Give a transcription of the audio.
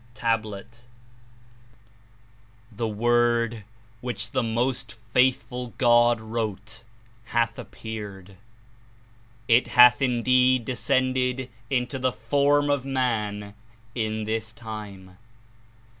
(Tablet) "The Word which the Most Faithful (God) wrote hath appeared. It hath indeed descended into the form of Man in this time.